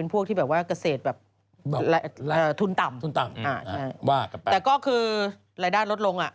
เป็นพวกที่แบบว่ากเกษตรแบบทุนต่ำแต่ก็คือรายด้านลดลง